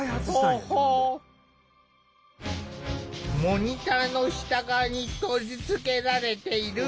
モニターの下側に取り付けられている